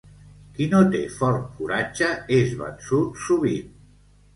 Qui no té fort coratge és vençut sovint.